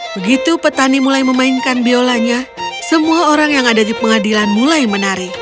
begitu petani mulai memainkan biolanya semua orang yang ada di pengadilan mulai menari